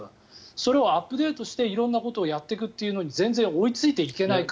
それをアップデートして色んなことをやっていくというのに全然追いついていけない国。